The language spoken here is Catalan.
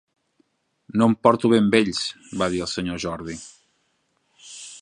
"No em porto bé amb ells", va dir el senyor Jordi.